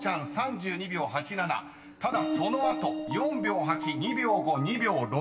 ［ただその後４秒８２秒５２秒６］